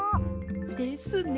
ですね。